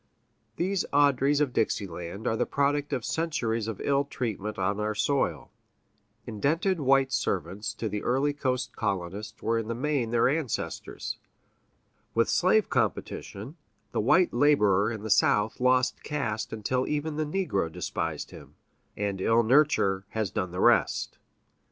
These Audreys of Dixie land are the product of centuries of ill treatment on our soil; indented white servants to the early coast colonists were in the main their ancestors; with slave competition, the white laborer in the South lost caste until even the negro despised him; and ill nurture has done the rest.